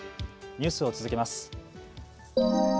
ニュースを続けます。